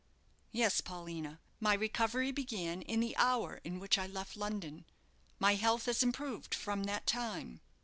"Yes, Paulina. My recovery began in the hour in which I left London. My health has improved from that time."